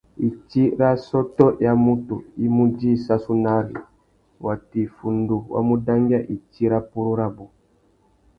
Itsi râ assôtô ya mutu i mú djï sassunari, watu iffundu wa mu dangüia itsi râ purú rabú.